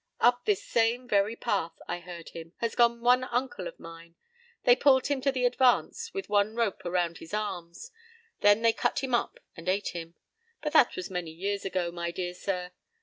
p> "Up this same very path," I heard him, "has gone one uncle of mine. They pulled him to the advance with one rope around his arms. Then they cut him up and ate him. But that was many years ago, my dear sir.